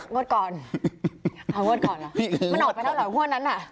งวดก่อนมันออกไปแล้วเหรองวดนั้นน่ะ